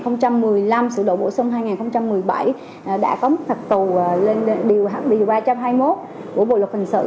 năm hai nghìn một mươi năm sửa đổi bổ sung hai nghìn một mươi bảy đã có mức phạt tù lên điều ba trăm hai mươi một của bộ luật hình sự